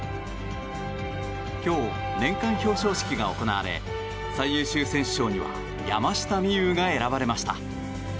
今日、年間表彰式が行われ最優秀選手賞には山下美夢有が選ばれました。